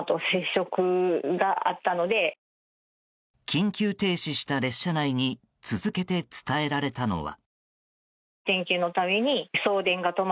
緊急停止した列車内に続けて伝えられたのは。